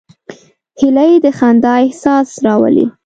هیلۍ د خندا احساس راولي